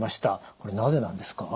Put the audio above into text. これなぜなんですか？